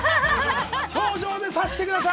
表情で察してください。